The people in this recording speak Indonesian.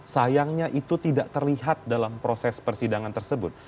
sayangnya itu tidak terlihat dalam proses persidangan tersebut